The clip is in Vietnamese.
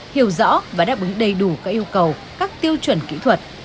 hiểu rõ và đáp ứng đầy đủ các yêu cầu các tiêu chuẩn kỹ thuật